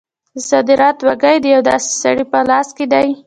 د صدارت واګې د یو داسې سړي په لاس کې دي.